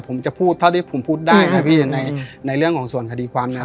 ผมจะพูดเท่าที่ผมพูดได้นะพี่ในเรื่องของส่วนคดีความเนี่ย